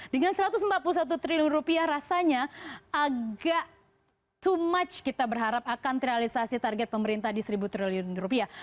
dengan satu ratus empat puluh satu triliun rupiah rasanya agak tomatch kita berharap akan terrealisasi target pemerintah di seribu triliun rupiah